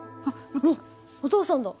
わっお父さんだ。